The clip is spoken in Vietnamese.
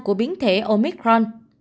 của biến thể omicron